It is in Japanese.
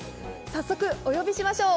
早速、お呼びしましょう。